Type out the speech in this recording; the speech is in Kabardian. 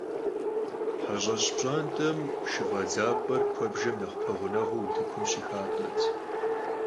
Heş'eş pş'ant'em şşıf'edzap'er kuebjjem nexh peğuneğuu vutıkum şıxat'ert